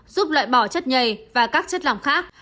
giúp loại bỏ chất nhầy và các chất làm khác